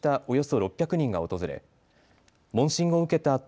およそ６００人が訪れ問診を受けた